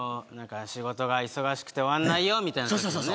仕事が忙しくて終わんないよみたいなことね